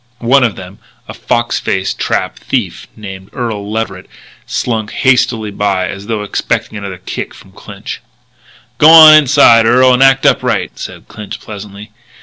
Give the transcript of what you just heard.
One of them, a fox faced trap thief named Earl Leverett, slunk hastily by as though expecting another kick from Clinch. "G'wan inside, Earl, and act up right," said Clinch pleasantly.